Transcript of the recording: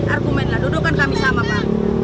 argumenlah dudukkan kami sama pak